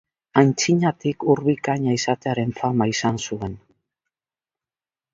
Aintzinatik ur bikaina izatearen fama izan zuen.